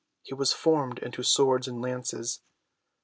He was formed into swords and lances.